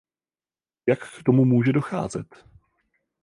Jak k tomu může docházet?